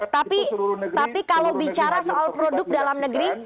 tapi kalau bicara soal produk dalam negeri